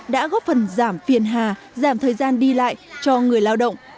đã góp phần giảm phiền hà giảm thời gian đi lại cho người lao động